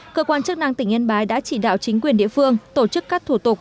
cơ quan chức năng tỉnh yên bái đã chỉ đạo chính quyền địa phương tổ chức các thủ tục